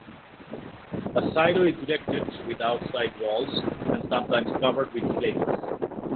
A silo is erected with outside walls, and sometimes covered with slates.